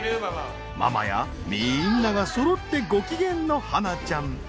ママやみんながそろってご機嫌の芭那ちゃん。